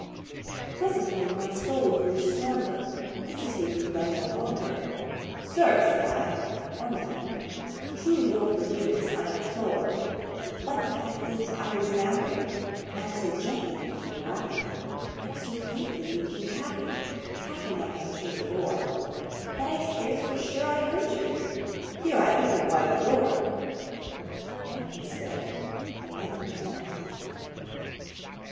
Presently my soul grew stronger; hesitating then no longer,"Sir," said I, "or Madam, truly your forgiveness I implore; But the fact is I was napping, and so gently you came rapping, And so faintly you came tapping, tapping at my chamber door, That I scarce was sure I heard you"—here I opened wide the door:—Darkness there and nothing more.